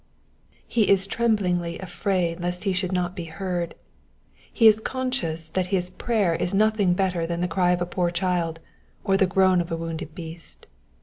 He is tremblingly afraid lest he should not be heard. He is conscious that his prayer is nothing better than the cry of a poor child, or the groan of a wounded beast.